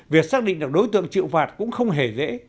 việc xác định được đối tượng chịu phạt cũng không hề dễ